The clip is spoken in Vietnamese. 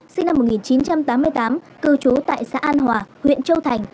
sinh năm một nghìn chín trăm tám mươi tám cư trú tại xã an hòa huyện châu thành